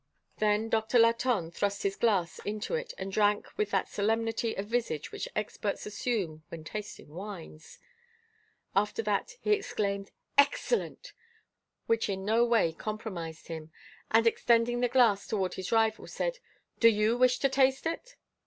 Then Doctor Latonne thrust his glass into it, and drank with that solemnity of visage which experts assume when tasting wines. After that, he exclaimed, "Excellent!" which in no way compromised him, and extending the glass toward his rival said: "Do you wish to taste it?"